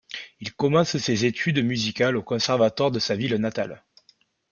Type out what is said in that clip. Il commence ses études musicales au conservatoire de sa ville natale.